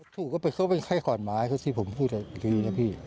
ถูกก็เป็นแค่ขอนไม้ที่ผมพูดอีกทีนะพี่